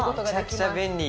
めちゃくちゃ便利！